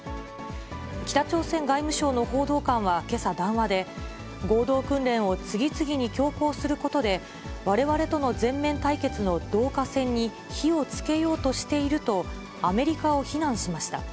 北朝鮮外務省の報道官はけさ談話で、合同訓練を次々に強行することで、われわれとの全面対決の導火線に火をつけようとしていると、アメリカを非難しました。